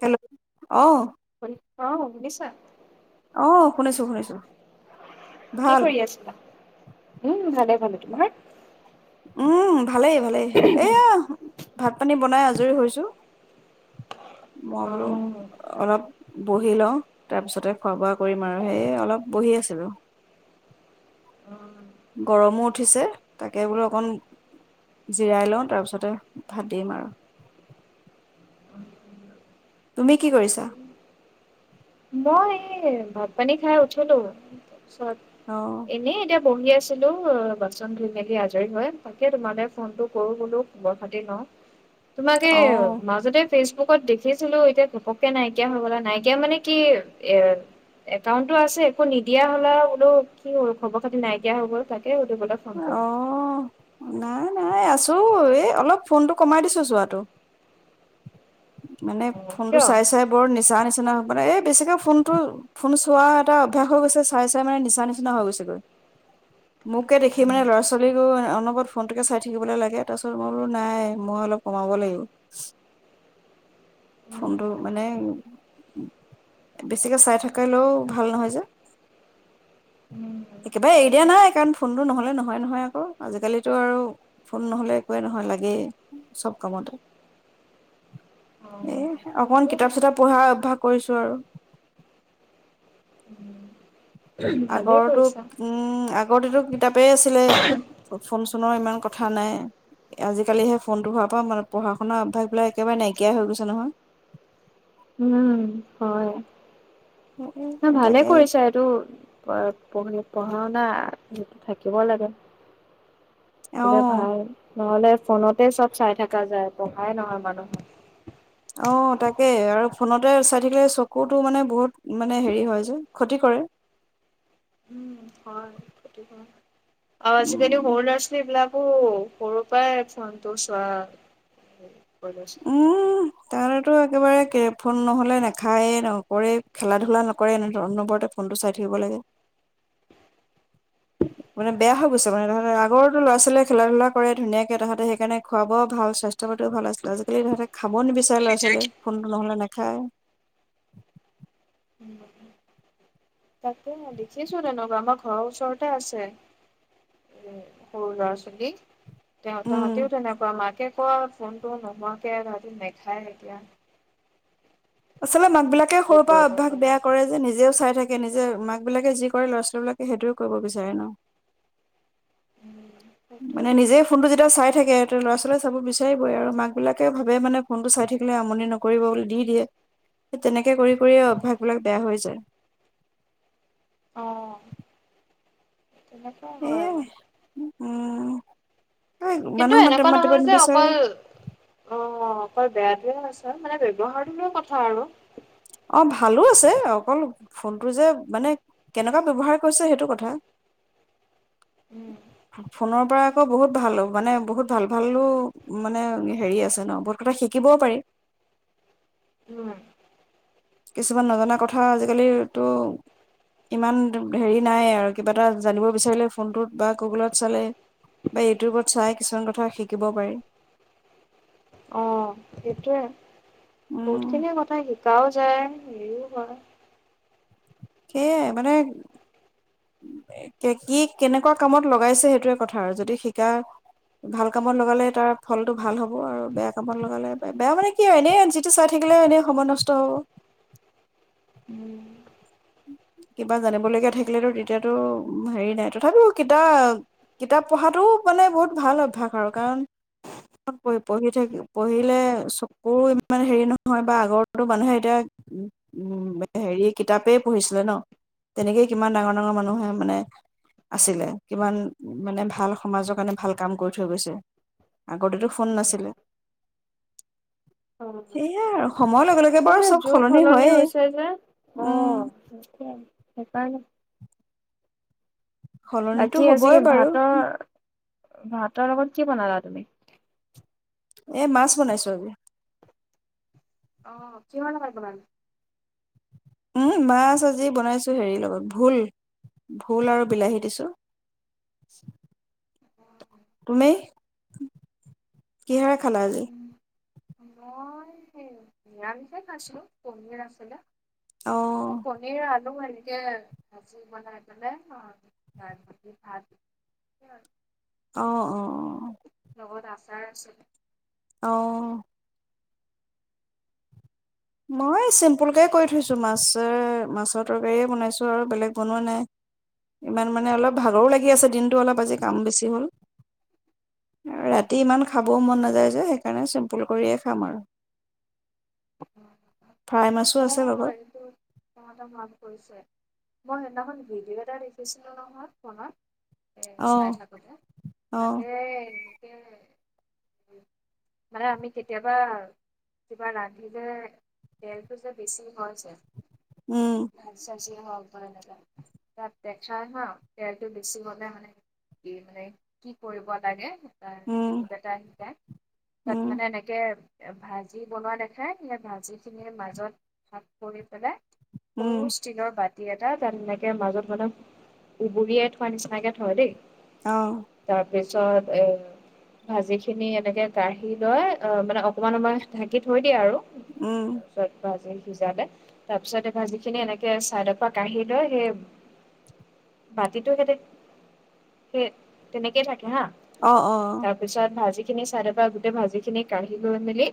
Hello অ' অ শুনিছা! অ' শুনিছো শুনিছো কি ভাল কৰি আছিলা? উম ভালেই ভালেই তোমাৰ উম ভালেই ভালেই এইয়াহ, ভাত-পানী বনাই আজৰি হৈছো। মই অ বুলো অলপ বঢ়ি লও তাৰপিছতে খোৱা-বোৱা কৰিম আৰু সেই অলপ বঢ়ি আছিলো। গৰমো উঠিছে তাকে বোলো অকণ জিৰাই লওঁ তাৰপিছতে ভাত দিম আৰু তুমি কি কৰিছা? মই এই ভাত পানী খাই উঠিলো। তাৰপিছত অ এনেই এতিয়া বঢ়ি আছো। বাচন ধুই মেলি আজৰি হৈ তাকে তোমালে ফোনটো কৰো বোলো খবৰ-খাতি লওঁ, তোমাক এই অ মাজতে, ফেচবুকত দেখিছিলো এতিয়া ঘপককে নাইকিয়া হৈ গ'লা নাইকিয়া মানে, কি এ একাউণ্টটো আছে একো নিদিয়া হ'লা বোলো কি হ'ল খবৰ-খাতি নাইকিয়া হৈ গ'ল তাইৰ, তাকে সুধিবলে ফোন অ কৰিলো। নাই নাই আছো এই অলপ ফোনটো কমাই দিছো চোৱটো মানে অ ফোনটো কিয়? চাই চাই বৰ নিচা নিচিনা। মানে এই বেছিকৈ ফোনটো ফোন চোৱা এটা অভ্যাস হৈ গৈছে চাই চাই মানে নিচা নিচিনা হৈ গৈছেগৈ। মোকে দেখি মানে উম ল'ৰা ছোৱালীকো অনবৰত ফোনটোকে চাই থাকিবলৈ লাগে তাৰপিছত মই বোলো নাই মই অলপ কমাব লাগিব। উম ফোনটো মানে বেছিকে চাই থাকিলেও ভাল নহয় যে উম একেবাৰে এৰি অ দিয়া নাই কাৰণ ফোনটো নহ'লে নহয় নহয় আকৌ আজিকালিটো আৰু ফোন নহ'লে একোৱেই নহয় লাগেই চব কামতে অ', এহ অকণমান কিতাপ চিতাপ পঢ়া অভ্যাস, কৰিছো আৰু সেইটোৱে ভালে আগৰটো কৰিছা। উম আগ আগতেটো কিতাপেই আছিলে ফোন-চোনৰ ইমান কথা নাই আজিকালিহে ফোনটো হোৱাৰ পৰা মানে পঢ়া শুনাৰ অভ্যাসবিলাক একেবাৰে নাইকিয়াই হৈ গৈছে নহয়। উম হয়! নহয় ভালে তাকে কৰিছা এইটো প পঢ়ি পঢ়া-শুনা থাকিব লাগে। অ থাকিলে ভাল নহ'লে ফোনতে চব চাই থাকা যায় পঢ়াই নহয় মানুহ, অ তাকে আৰু ফোনতে চাই থাকিলে চকুটো মানে বহুত মানে হেৰি হয় যে ক্ষতি কৰে, উম হয় ক্ষতি কৰে। আজিকালি উম সৰু ল'চালি বিলাক, অ', সৰু পাই ফোনটো চোৱা। [unintelligible] তাহাতৰ একেবাৰে কে ফোন নহলে নাখায়ে নকৰে খেলা ধূলা নকৰে এনেধৰণ নম্বৰতে ফোনটো চাই থাকিব লাগে মানে বেয়া হৈ গৈছে মানে তাহাঁতে আগৰটো লৰা ছোৱালীয়ে খেলা ধূলা কৰে ধুনীয়াকে তাহাঁতে সেইকাৰণে খোৱা বোৱাও ভাল স্বাস্থ্য পাতিও ভাল আছিলে আজি, এ তাহঁতে খাব নিবিচাৰে ল'ৰা ছোৱালীয়ে ফোনতো নহলে নে? খাওঁ। তাকে দেখিছো তেনেকুৱা আমাৰ ঘৰৰ ওচৰতে আছে এ, সৰু ল'ৰা-ছোৱালী। অ' উম তাহাটিও তেনেকুৱা মাকে, কোৱা ফোনটো নোহোৱাকে ৰাতি নাখায় এতিয়া, আচলতে মাক বিলাকে কি সৰুৰ পৰা কৰিব অভ্যাস পাৰি বেয়া কৰে যে নিজেও চাই থাক এ নিজে মাক বিলাকে যি কৰে ল'ৰা ছোৱালী বিলাকে সেইটোেই কৰিব বিচাৰে ন? উম সেইটোৱে মানে নিজে ফোনটো যেতিয়া চাই থাকে এতে ল'ৰা ছোৱালী চাব বিচাৰিবই আৰু মাক বিলাকে ভাবে মানে ফোনটো চাই থাকিলে আমনি নকৰিব বুলি দি দিয়ে সেই তেনেক, কৰি কৰিয়েই উম, অভ্যাসবলাক বেয়া হৈ যায়। অ'। তেনেকুৱাই হয় এয়াই আৰু। উম কিন্তু মানুহ মাত এনেকুৱা মাতিব নহয় যে নিবিচাৰে অকল অ' অ অকল বেয়াটোৱে আছে মানে ব্যৱহাৰটো লৈ কথা আৰু অ ভালো আছে অকল ফোনটো যে মানে কেনেকুৱা ব্যৱহাৰ কৰিছে সেইটো কথা, উম ফো ফোনৰ পৰা আকৌ বহুত ভাল মানে বহুত ভাল ভালো মানে হেৰি আছে ন বহুত কথা শিকিবও পাৰি। হু। কিছুমান নজনা কথা আজিকালিতো ইমান দ হেৰি নাই আৰু কিবা এটা জানিব বিচাৰিলে ফোনটোত বা গুগলত চালে বা ইউটিউবত চাই কিছুমান কথা শিকিব পাৰি অ সেইটোৱে উম। গাঁও যায় হেৰিও হয়। সেইয়াই মানে, এ, কে কি কেনেকুৱা কামত লগাইছে সেইটোৱে কথা আৰু যদি শিকা ভাল কামত লগালে তাৰ ফলটো ভাল হ'ব আৰু বেয়া কামত লগালে বে বেয়া মানে কি এনে যিটো চাই থাকিলে এনেই সময় নষ্ট হ'ব। উম! কিবা জানিবলগীয়া থাকিলেতো তেতিয়াতো হেৰি নাই তথাপিও কিতাপ কিতাপ পঢ়াটোও মানে বহুত ভাল অভ্যাস আৰু কাৰণ প পঢ়ি থাকি পঢ়িলে চকুৰ ইমান হেৰি নহয় বা আগৰটো মানুহে এতিয়া উম, হেৰি কিতাপেই পঢ়িছিলে ন তেনেকেই কিমান ডাঙৰ ডাঙৰ মানুহে মানে আছিলে কিমান মানে ভাল সমাজৰ কাৰণে ভাল কাম কৰি থৈ গৈছে আগতেতো ফোন নাছিলে। অ', সেয়াই আৰু সময়ৰ লগে লগে বাৰু তাকে চব যুগ সলনি হয়েই হৈছে যে উম অ'। সেইকাৰনে। সলনিতো আজি হবই বাৰু। ভাতৰ ভাতৰ লগত কি বনালা তুমি। এ মাছ বনাইছো আজি। অ কিহৰ লগত বনালি। উম মাছ আজি বনাইছো হেৰি লগত ভোল ভোল আৰু বিলাহী দিছো। তুমি কিহেৰে। খালা আজি। মই নি নিৰামিষে খাইছিলো পনীৰ আছিলে। অ পনীৰ আ। মইও এনেকে ভাজি বনাই পেলাই [unintelligible] ভাত। অ'-অ'-অ'। লগত আছাৰ আছিল। অহ। মই চিম্পুল কেই কৰি থৈছোঁ মাছ মাছৰ তৰকাৰীয়ে বনাইছোঁ আৰু বেলেগ বনোৱা নাই। ইমান মানে অলপ ভাগৰো লাগে। কি আছে দিনটো অলপ আজি কাম বেছি হ'ল। ৰাতি ইমান খাব। বৰ মন নাযায় যে সেইকাৰণে চিম্পুল কৰিয়ে খাম আৰু। ফ্ৰাই মাছো আছে আহ লগত এইটো [unintelligible] মান কৰিছে। মই সেইদিনাখন ভিডিঅ' এটা দেখিছিলো নহয় ফোনত। এ অ চাই থাকোতে অ তাকে। মানে আমি কেতিয়াবা কিবা ৰান্ধো। তেলটো যে বেছি হয় যে। উম ভাজি সাজি। হব তেনো তাত দেখা হা তেলটো বেচি হ'লে মানে কি মানে কি কৰিব লাগে। উম, কিবা এটা আহি পায় তাত উম, মানে এনেকে। ভাজি বনোৱা দেখা। খাইহি ভাজি খিনিৰ মাজত ভাগ কৰি পেলাই। উম, সৰু ষ্টীল বাত। এটা তাত এনেকে মাজত মানে উবুৰিয়াই থোৱা নিচিনাকে থয় দেই। অ'। তাৰ পিছত এ ভাজি খিনি এনেকে কাঢ়ি লৈ অ মানে অকমান অকমান ঢাকি থৈ। দিয়া আৰু। উম, চত ভাজি। ভিজালে তাৰ পিছত এই ভাজি খিনি এনেকে চাইডৰ পৰা কাঢ়ি লয় সেই বাতিটো স'তে-স তেনেকেই থাকে। হা অ', অ', তাৰপিছত ভাজি। চাইডৰ গোটেই ভাজি খিনি কাঢ়ি লৈ মেলি।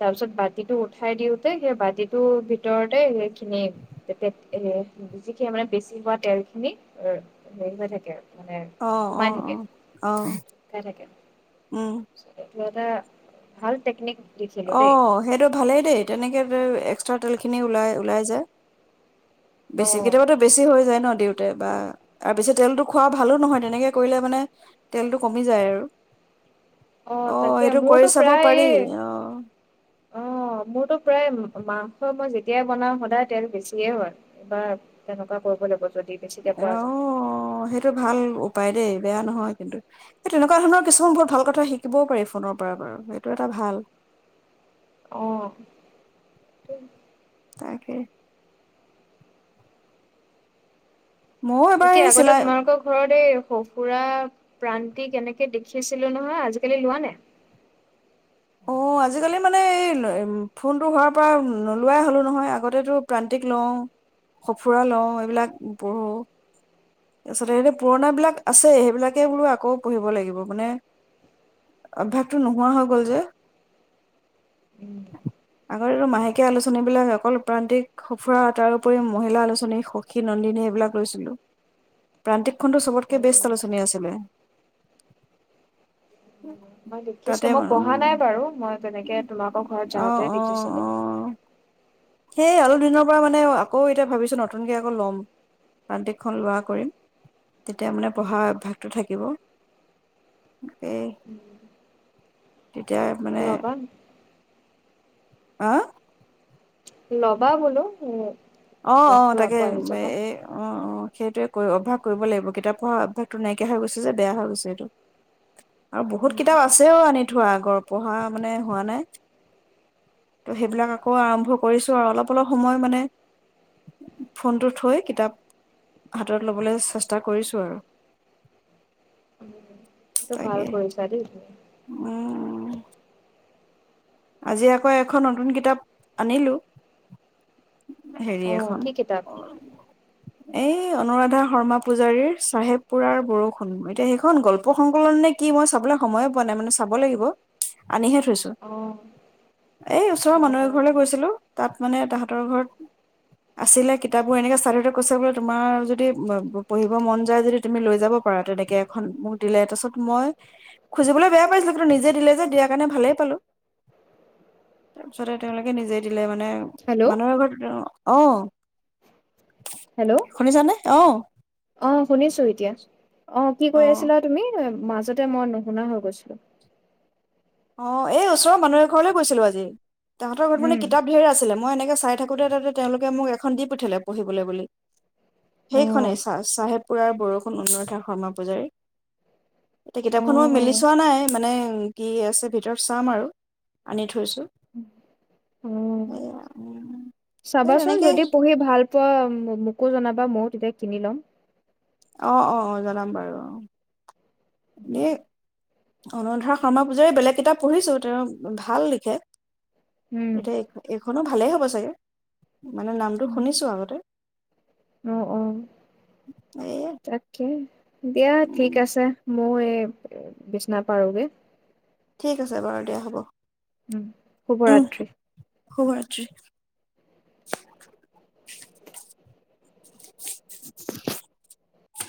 তাৰ পিছত বাতিটো উঠাই দিওতে সেই বাতিটোৰ ভিতৰতে সেইখিনি তে এ যিখিন মানে বেছি হোৱা তেল খিনি হেৰি হৈ থাকে আৰু অ' অ' অ' অ' শুকাই থাকে উম! এইটো ভাল ল টেকনিক, দেখিলো অ' দেই সেইটো ভালেই দেই তেনেকে, এক্সট্ৰা তেলখিনি ওলাই ওলাই যায়, অ বেছি কেতিয়াবাতো বেছি হৈ যায় ন দিওঁতে বা আৰু পিছে তেলটো খোৱা ভালো নহয় তেনেকে কৰিলে মানে তেলটো কমি যায় আৰু অ' তাকে সেইটো কৰি মোৰতো চাব প্ৰায় পাৰি এই অ' অ' মোৰতো প্ৰায় মাংসৰ মই যেতিয়াই বনাওঁ সদায় তেল বেছিয়ে হয় এইবাৰ তেনেকুৱা কৰিব লাগিব যদি বেছিকে অ পৰা যেন লাগে সেইটো ভাল উপায় দেই বেয়া নহয় কিন্তু এই তেনেকুৱা ধৰণৰ কিছুমান বহুত ভাল কথা শিকিবও পাৰি ফোনৰ পৰা বাৰু সেইটো এটা ভাল। অহ তাকে, ময়ো এবাৰ এয়া এই আগতে চিলাই তোমালোকৰ ঘৰত এই সঁফুৰা, প্ৰান্তিক এনেকে দেখিছিলো নহয় আজিকালি লোৱা নে? অ' আজিকালি মানে এই ফোনটো হোৱাৰ পৰা নোলোৱাই হ'লোঁ নহয়। আগতে টো প্ৰান্তিক লওঁ, সঁফুৰা লওঁ এইবিলাক পঢ়োঁ। তাৰপিছতে এইটো পুৰণ বিলাক আছে সেইবিলাকে বোলো আকৌ পঢ়িব লাগিব। মানে অভ্যাসটো নোহোৱা হৈ গল যে। আগতে এইটো মাহেকীয়া আলোচনী বিলাক অকল প্ৰান্তিক, সুঁফুৰা তাৰ উপৰি মহিলা আলোচনী, সখী, নন্দিনী এইবিলাক লৈছিলো। প্ৰান্তিক খনটো চবতকে বেষ্ট আলোচনী আছিলে। মই তাতে দেখিছিলো মই পঢ়া নাই বাৰু মই তেনেকে তোমালোকৰ ঘৰত যাওতে দেখিছিলো। সেয়ে অলপ দিনৰ পৰা মানে আকৌ এতিয়া ভাবিছো নতুনকে আকৌ ল'ম প্ৰান্তিকখন লোৱা কৰিম। তেতিয়া মানে পঢ়া অভ্যাসটো থাকিব তাকেই। তেতিয়া মানে ল'বা আ ল'বা বোলো। অ' অ' বেগটো আকৌ তাকেই আহি যাব। এ অ' অ' সেইটোৱে ক অভ্যাস কৰিব লাগিব। কিতাপ পঢ়াৰ অভ্যাসটো নাইকিয়া হৈ গৈছে যে বেয়া হৈ গৈছে সেইটো। আৰু বহুত কিতাপ আছেও আনি থোৱা আগৰ। পঢ়া মানে হোৱা নাই। ত' সেইবিলাক আকৌ আৰম্ভ কৰিছো। আৰু অলপ, অলপ সময় মানে ফোনটো থৈ কিতাপ হাতত ল'বলৈ চেষ্টা কৰিছোঁ আৰু। উম এইটো ভাল তাকে কৰিছা দেই। উম আজি আকৌ এখন নতুন কিতাপ আনিলো। হেৰি অ', কি কিতাপ? এখন এই অনুৰাধা শৰ্মা পূজাৰীৰ চাহেব পুৰাৰ বৰষুণ এতিয়া অ এই ওচৰৰ অ অ মানুহে ঘৰলৈ গৈছিলো তাত মানে তাহতৰ ঘৰত আছিলে কিতাপবোৰ এনেকে চাই থাকোতে কৈছে বোলে তোমাৰ যদি পঢ়িব মন যায় যদি তুমি লৈ যাব পাৰা তেনেকে এখন মোক দিলে তাৰপিছত মই খুজিবলৈ বেয়া পাইছিলো কিন্তু নিজে দিলে যে দিয়াৰ কাৰণে ভালেই পালো। তাৰপিছতে তেওঁলোকে নিজে দিলে মান মানে হেল্ল' মানুহ এঘৰত অ'। হেল্ল' শুনিছানে অ অ', শুনিছো এতিয়া অ' কি কৈ আছিলা তুমি? মাজতে মই নুশুনা হৈ গৈছিলো। অ', এই ওচৰৰ মানুহ এঘৰলৈ গৈছিলো আজি। তাহাতৰ উম। কিতাপ ঢেৰ আছিলে, মই এনেকে চাই থাকোতে তাতে তেওঁলোকে মোক এখন দি পঠিয়ালে পঢ়িবলৈ বুলি। সেইখনেই চা চাহেব পুৰাৰ বৰষুণ, অনুৰাধা শৰ্মা পূজাৰী। এতিয়া কিতাপখন মেলি চোৱা নাই মানে কি আছ ভিতৰত চাম আৰু আনি উম, এয়া চাবাচোন তেনেকেই যদি পঢ়ি ভাল পোৱা। মোকো জনাবা। অ' অ' অ' জনাম বাৰু অ'। [unintelligible] অনুৰাধা শৰ্মা পূজাৰীৰ বেলেগ কিতাপ পঢ়িছোঁ। তেওঁ ভাল লিখে। উম। এতিয়া এইখনো ভালে হ'ব। হয় চাগে। মানে নামটো শুনিছো আগতে। অ', অ', তাকে দিয়া ঠিক আছে। মইও এই বিচনা পাৰোগে। ঠিক আছে বাৰু দিয়া হ'ব। উম উম শুভৰাত্ৰি। শুভৰাত্ৰি।